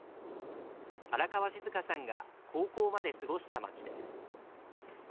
荒川静香さんが高校まで過ごした町です。